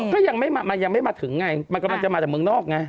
ก็ยังไม่มาถึงไงมันกำลังจะมาจากเมืองนอกไง